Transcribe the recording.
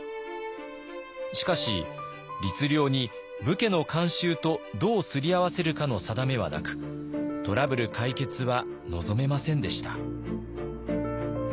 しかし律令に武家の慣習とどうすり合わせるかの定めはなくトラブル解決は望めませんでした。